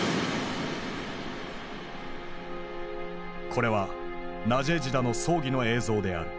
これはナジェージダの葬儀の映像である。